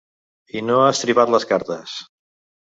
I no ha estripat les cartes.